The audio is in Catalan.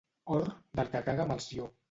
Or, del que caga Melcior.